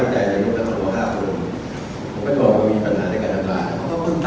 ใครไหวคุณก็ไม่เห็น